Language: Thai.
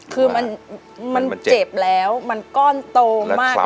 คือมันเจ็บแล้วมันก้อนโตมาก